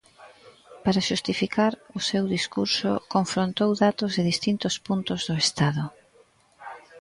Para xustificar o seu discurso confrontou datos de distintos puntos do Estado.